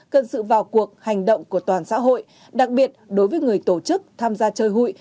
cần sự vào cuộc hành động của toàn xã hội đặc biệt đối với người tổ chức tham gia chơi hụi